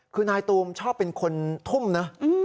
คือนายตูมชอบเป็นคนทุ่มนะ